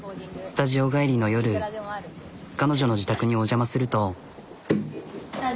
スタジオ帰りの夜彼女の自宅にお邪魔すると。